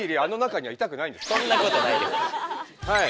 はい。